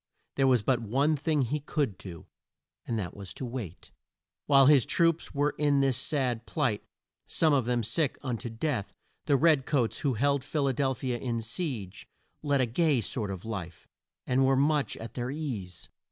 There was but one thing he could do, and that was to wait. While his troops were in this sad plight some of them sick un to death the red coats, who held Phil a del phi a in siege, led a gay sort of life, and were much at their ease.